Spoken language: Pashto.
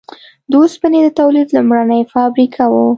د اوسپنې د تولید لومړنۍ فابریکه وه.